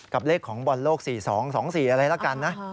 เลขของบอลโลก๔๒๒๔อะไรละกันนะ